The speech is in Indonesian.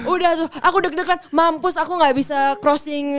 udah tuh aku deg degan mampus aku gak bisa crossing